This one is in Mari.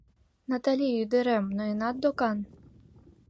Натали, ӱдырем, ноенат докан?